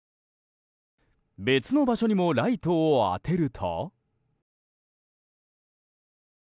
別の場所にもライトを当てると。